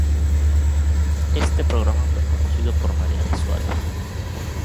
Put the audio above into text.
Este programa fue conducido por Marianne Suárez.